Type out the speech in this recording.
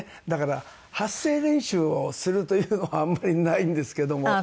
だから発声練習をするというのはあんまりないんですけども。